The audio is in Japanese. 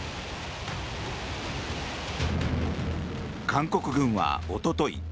韓国軍はおととい